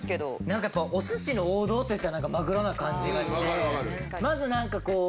なんかやっぱお寿司の王道といったらなんかマグロな感じがして。